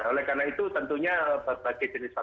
dengan penyimpanan yang lebih mudah